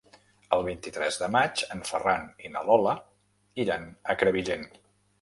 El vint-i-tres de maig en Ferran i na Lola iran a Crevillent.